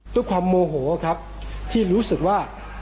ด้วยความโมโหครับที่รู้สึกว่า